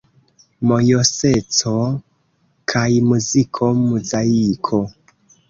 Mojoseco kaj muziko: Muzaiko!